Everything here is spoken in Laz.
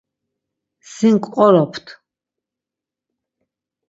Sin ǩqoropt.